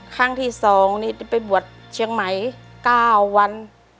ครั้งที่๒นี่ไปบวชเชียงใหม่๙วัน